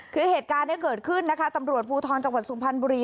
คือเหตุการณ์นี้เกิดขึ้นนะคะตำรวจภูทรจังหวัดสุพรรณบุรี